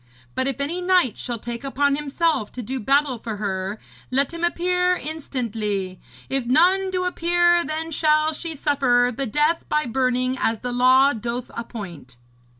But if any knight shall take upon himself to do battle for her, let him appear instantly. If none do appear, then shall she suffer the death by burning as the law doth appoint.'